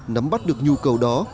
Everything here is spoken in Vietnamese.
nắm bắt được nhu cầu đó